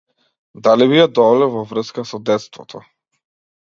Дали би ја довеле во врска со детството?